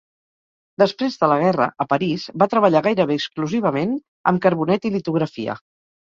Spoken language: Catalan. Després de la guerra, a París, va treballar gairebé exclusivament amb carbonet i litografia.